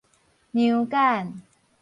娘 𡢃